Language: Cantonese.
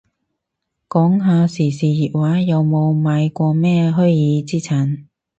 講下時事熱話，有冇買過咩虛擬資產